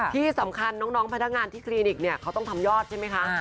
ที่สำคัญน้องพนักงานที่คลินิกเนี่ยเขาต้องทำยอดใช่ไหมคะ